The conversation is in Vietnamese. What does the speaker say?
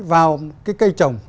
vào cái cây trồng